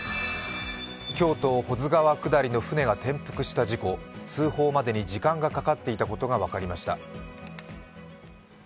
京都・保津川下りの舟が転覆した事故通報までに時間がかかっていたことが分かりました。